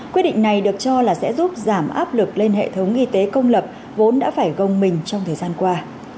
quyết định này được cho là sẽ giúp giảm áp lực lên hệ thống y tế công lập vốn đã phải gông mình trong thời gian qua